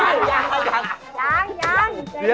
ยังใจเย็น